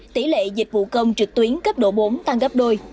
tỷ lệ dịch vụ công trực tuyến cấp độ bốn tăng gấp đôi